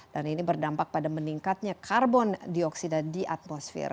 dan ini berdampak pada meningkatnya karbon dioksida di atmosfer